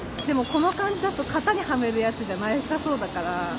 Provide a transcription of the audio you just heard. でもこの感じだと型にはめるやつじゃなさそうだから。